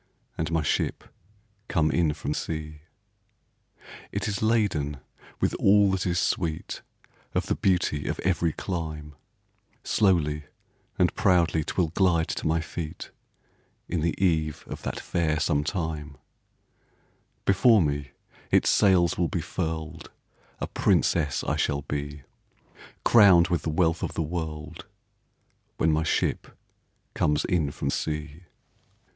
And my ship come in from sea. It is laden with all that is sweet Of the beauty of every clime; Slowly and proudly 'twill glide to my feet In the eve of that fair "Sometime," Before me its sails will be furled, A princess I shall be, Crowned with the wealth of the world, When my ship comes in from sea.